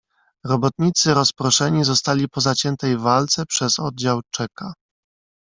"Robotnicy rozproszeni zostali po zaciętej walce przez oddział Czeka."